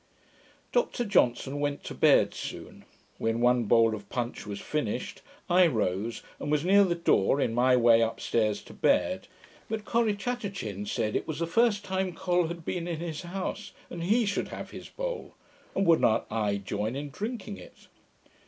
Dr Johnson went to bed soon. When one bowl of punch was finished, I rose, and was near the door, in my way up stairs to bed; but Corrichatachin said, it was the first time Col had been in his house, and he should have his bowl; and would not I join in drinking it?